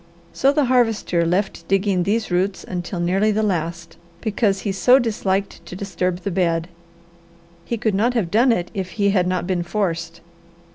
So the Harvester left digging these roots until nearly the last, because he so disliked to disturb the bed. He could not have done it if he had not been forced.